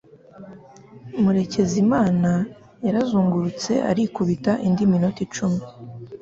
Murekezimana yarazungurutse arikubita indi minota icumi